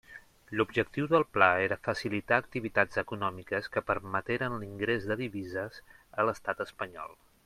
L'objectiu del pla era facilitar activitats econòmiques que permeteren l'ingrés de divises a l'Estat espanyol.